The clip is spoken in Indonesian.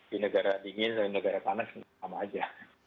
di negara dingin negara panas sama aja